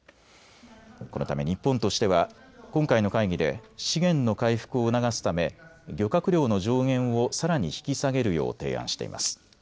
このため日本としては今回の会議で資源の回復を促すため漁獲量の上限をさらに引き下げるよう提案しています。